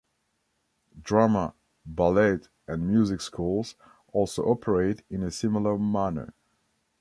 Drama, ballet and music schools also operate in a similar manner.